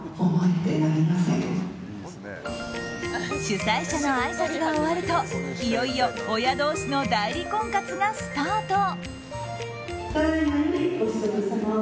主催者のあいさつが終わるといよいよ親同士の代理婚活がスタート。